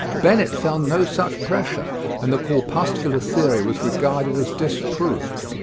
Bennet found no such pressure and the cor puscular theory was regarded as disproved.